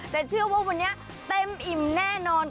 แต่เชื่อว่าวันนี้เต็มอิ่มแน่นอน